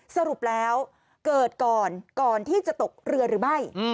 สรุปแล้วเกิดก่อนก่อนที่จะตกเรือหรือไม่